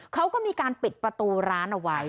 เขาก็มีการปิดประตูร้านเอาไว้